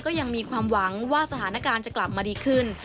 ยังมีความหวังว่าสถานการณ์จะกลับมาดีขึ้น